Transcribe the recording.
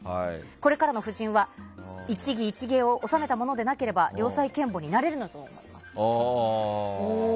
これからの婦人は一技一芸を修めた者でなければ良妻賢母になれぬと思います。